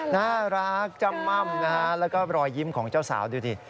น่ารักจำม่ำนะฮะแล้วก็รอยยิ้มของเจ้าสาวดูดิ